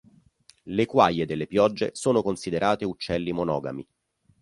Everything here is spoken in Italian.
Le quaglie delle piogge sono considerate uccelli monogami.